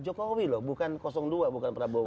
jokowi loh bukan dua bukan prabowo